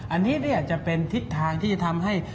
อันนี้จะเป็นทิศทางที่จะทำให้